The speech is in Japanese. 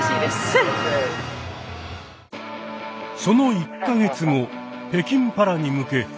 その１か月後北京パラに向け